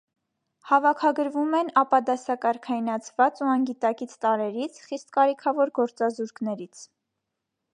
Հավաքագրվում են ապադասակարգայնացված ու անգիտակից տարրերից, խիստ կարիքավոր գործազուրկներից։